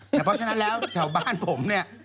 เพราะฉะนั้นแล้วแถวบ้านผมเนี่ย